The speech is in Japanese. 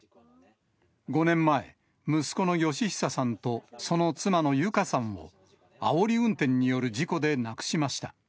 ５年前、息子の嘉久さんと、その妻の友香さんを、あおり運転による事故で亡くしました。